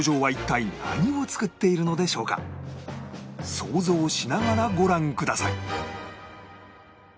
想像しながらご覧ください